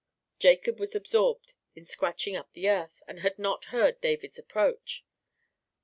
Jacob was absorbed in scratching up the earth, and had not heard David's approach.